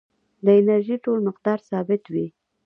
د انرژۍ ټول مقدار ثابت وي.